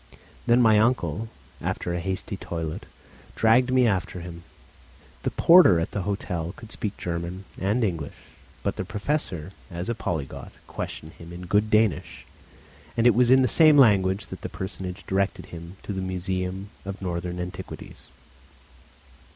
Then my uncle, after a hasty toilet, dragged me after him. The porter at the hotel could speak German and English; but the Professor, as a polyglot, questioned him in good Danish, and it was in the same language that that personage directed him to the Museum of Northern Antiquities.